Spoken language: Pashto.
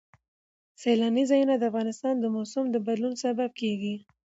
سیلاني ځایونه د افغانستان د موسم د بدلون سبب کېږي.